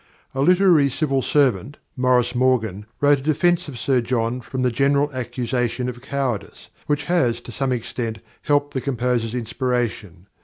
A literary civil servant, Maurice Morgan, wrote a defence of Sir John from the general accusation of cowardice, which has, to some extent, helped the composer's inspiration.